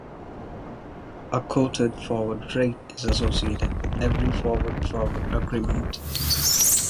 A quoted forward rate is associated with every forward-forward agreement.